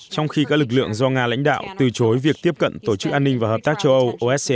trong khi các lực lượng do nga lãnh đạo từ chối việc tiếp cận tổ chức an ninh và hợp tác châu âu